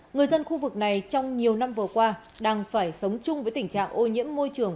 người dân khu vực này trong nhiều năm vừa qua đang phải sống chung với tình trạng ô nhiễm môi trường